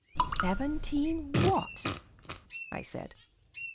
"Seventeen what?" I said.